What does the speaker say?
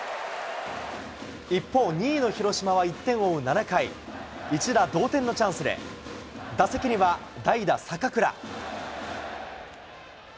一方、２位の広島は１点を追う７回、一打同点のチャンスで、打席には代打、坂倉。